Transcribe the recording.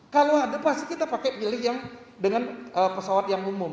kalau ada pasti kita pakai pilih yang dengan pesawat yang umum